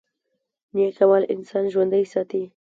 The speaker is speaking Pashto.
نیک عمل انسان ژوندی ساتي